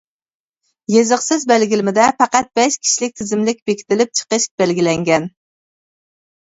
يېزىقسىز بەلگىلىمىدە پەقەت بەش كىشىلىك تىزىملىك بېكىتىلىپ چىقىش بەلگىلەنگەن.